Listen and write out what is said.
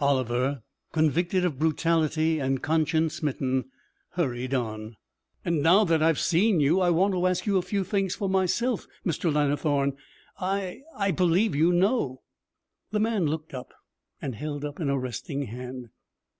Oliver, convicted of brutality and conscience smitten, hurried on, 'And now that I've seen you, I want to ask you a few things for myself, Mr. Lannithorne. I I believe you know.' The man looked up and held up an arresting hand.